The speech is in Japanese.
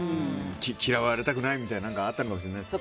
嫌われたくないみたいなのがあったかもしれないですね。